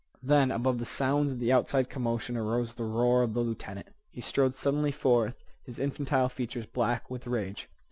Then, above the sounds of the outside commotion, arose the roar of the lieutenant. He strode suddenly forth, his infantile features black with rage.